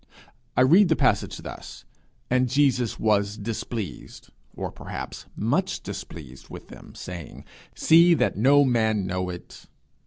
I read the passage thus: 'And Jesus was displeased' or, perhaps, 'much displeased' 'with them, saying, See that no man know it.'